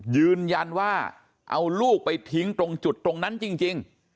ยืนยันว่าเอาลูกไปทิ้งตรงจุดตรงนั้นจริง